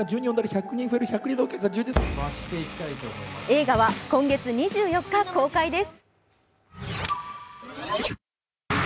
映画は今月２４日公開です。